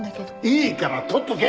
いいからとっとけ！